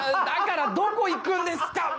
だからどこ行くんですか！